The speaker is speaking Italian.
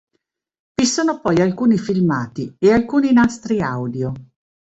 Vi sono poi alcuni filmati e alcuni nastri audio.